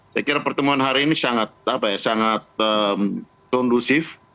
saya kira pertemuan hari ini sangat kondusif